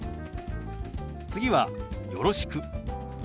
次は「よろしく」。